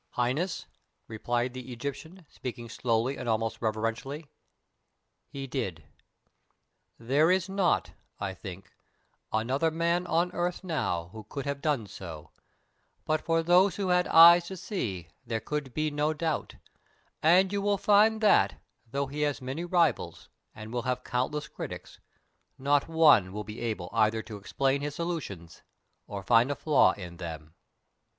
"Highness," replied the Egyptian, speaking slowly and almost reverently, "he did. There is not, I think, another man on earth now who could have done so; but for those who had eyes to see there could be no doubt, and you will find that, though he has many rivals and will have countless critics, not one will be able either to explain his solutions or find a flaw in them."